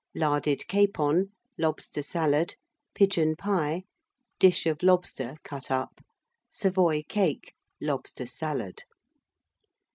Larded Capon. Lobster Salad. Pigeon Pie. Dish of Lobster, cut up. Savoy Cake. Lobster Salad.